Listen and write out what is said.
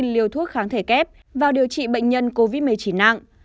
liều thuốc kháng thể kép vào điều trị bệnh nhân covid một mươi chín nặng